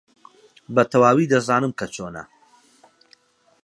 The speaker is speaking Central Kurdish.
بەتەواوی دەزانم کە چۆنە.